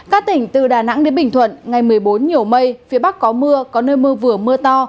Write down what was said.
các tỉnh từ đà nẵng đến bình thuận ngày một mươi bốn nhiều mây phía bắc có mưa có nơi mưa vừa mưa to